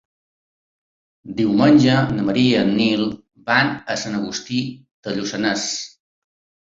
Diumenge na Maria i en Nil van a Sant Agustí de Lluçanès.